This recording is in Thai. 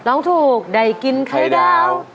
ร้องถูกได้กินไข่ดาว